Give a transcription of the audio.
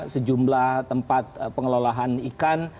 sejumlah tempat pengelolaan ikan